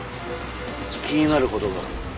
気になる事がある。